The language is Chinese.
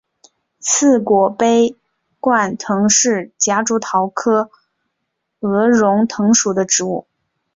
翅果杯冠藤是夹竹桃科鹅绒藤属的植物。